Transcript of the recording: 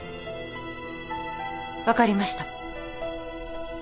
分かりました